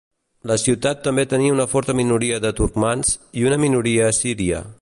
La ciutat també tenia una forta minoria de turcmans, i una minoria assíria.